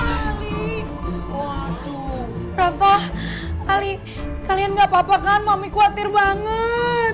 ali tu aprendo ali kalian enggak pa pekan mau miques kuatir banget